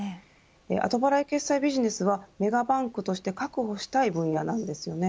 後払い決済ビジネスはメガバンクとして確保したい分野なんですよね。